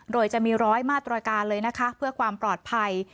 โดยจะมีร้อยมาตรการเลยนะคะเพื่อความปลอดภัย